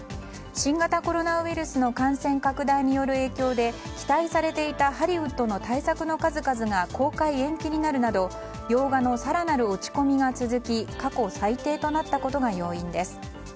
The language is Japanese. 新型コロナウイルスの感染拡大による影響で期待されていたハリウッドの大作の数々が公開延期になるなど洋画の更なる落ち込みが続き過去最低となったことが要因です。